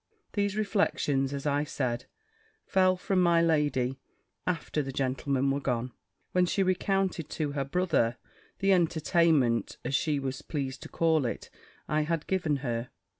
These reflections, as I said, fell from my lady, after the gentlemen were gone, when she recounted to her brother, the entertainment, as she was pleased to call it, I had given her.